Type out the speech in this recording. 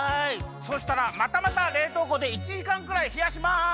そうしたらまたまたれいとうこで１じかんくらいひやします。